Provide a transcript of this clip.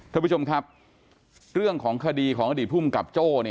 ท่านผู้ชมครับเรื่องของคดีของอดีตภูมิกับโจ้